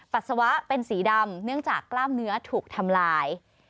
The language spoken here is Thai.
ปัสสาวะเป็นสีดำเนื่องจากกล้ามเนื้อถูกทำลาย